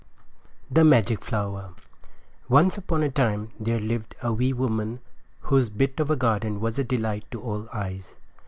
THE MAGIC FLOWER Once upon a time there lived a wee woman whose bit of a garden was a delight to all eyes.